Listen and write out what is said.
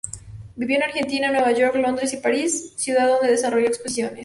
Vivió en Argentina, Nueva York, Londres y Paris, ciudades donde desarrolló exposiciones.